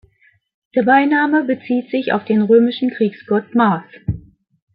Der Beiname bezieht sich auf den römischen Kriegsgott Mars.